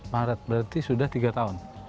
maret berarti sudah tiga tahun